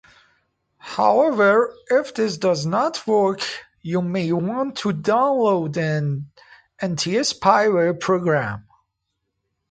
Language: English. However, if this does not work you may want to download an anti-spyware program.